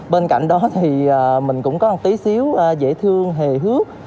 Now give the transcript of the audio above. bên cạnh đó thì mình cũng có một tí xíu dễ thương hề hước